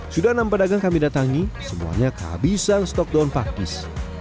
sudah enam pedagang kami datangi semuanya kehabisan stok daun pakis